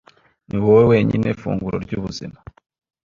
ni wowe wenyine funguro ry'ubuzima